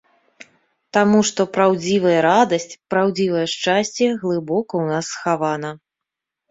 Таму што праўдзівая радасць, праўдзівае шчасце глыбока ў нас схавана.